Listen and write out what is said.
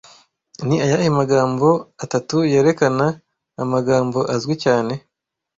Ni ayahe magambo atatu yerekana amagambo azwi cyane